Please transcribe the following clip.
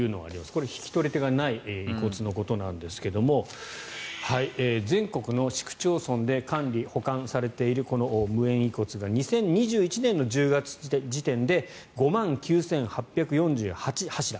これ、引き取り手がない遺骨のことですが全国の市区町村で管理・保管されているこの無縁遺骨が２０２１年の１０月時点で５万９８４８柱。